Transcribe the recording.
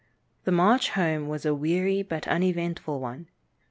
The march home was a weary but uneventful one.